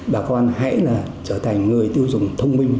bà con hãy là trở thành người tiêu dùng thông minh